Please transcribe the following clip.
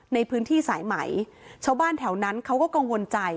ในพื้นที่สายไหมชาวบ้านแถวนั้นเขาก็กังวลใจ